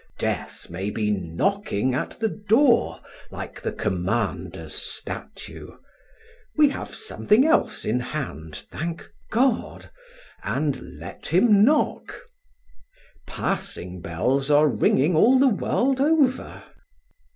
Death may be knocking at the door, like the Commander's statue; we have something else in hand, thank God, and let him knock. Passing bells are ringing all the world over.